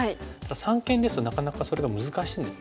三間ですとなかなかそれが難しいんですね。